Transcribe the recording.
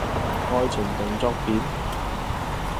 愛情動作片